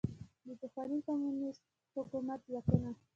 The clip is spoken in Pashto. د پخواني کمونیستي حکومت ځواکونو